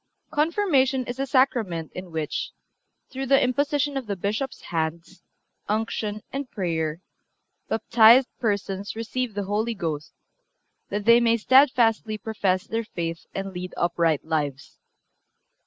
Confirmation is a Sacrament in which, through the imposition of the Bishop's hands, unction and prayer, baptized persons receive the Holy Ghost, that they may steadfastly profess their faith and lead upright lives.